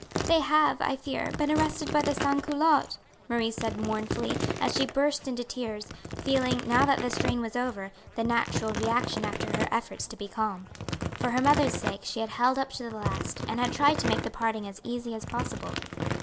"They have, I fear, been arrested by the sans culottes," Marie said mournfully as she burst into tears, feeling, now that the strain was over, the natural reaction after her efforts to be calm. For her mother's sake she had held up to the last, and had tried to make the parting as easy as possible.